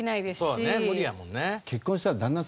そうだね無理やもんね。